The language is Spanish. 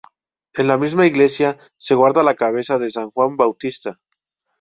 En la misma iglesia se guarda la cabeza de San Juan Bautista.